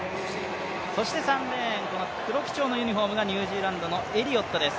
そして３レーン、黒基調のユニフォームがニュージーランドのエリオットです。